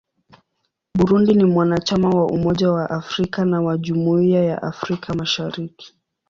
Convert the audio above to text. Burundi ni mwanachama wa Umoja wa Afrika na wa Jumuiya ya Afrika Mashariki.